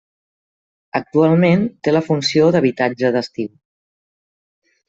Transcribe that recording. Actualment té la funció d'habitatge d'estiu.